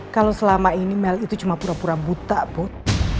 kalau selama ini mel itu cuma pura pura buta bud